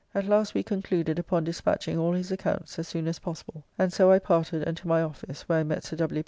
At last we concluded upon dispatching all his accounts as soon as possible, and so I parted, and to my office, where I met Sir W.